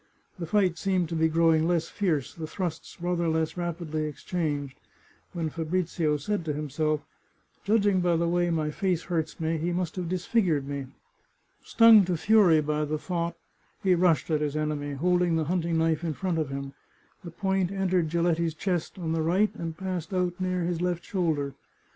The fight seemed to be growing less fierce, the thrusts rather less rapidly exchanged, when Fabrizio said to him self, " Judging by the way my face hurts me he must have disfigured me." Stung to fury by the thought, he rushed at his enemy, holding the hunting knife in front of him. The point entered Giletti's chest on the right, and passed out near his left shoulder.